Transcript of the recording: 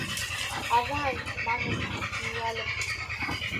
«Авай!» манын мияльым.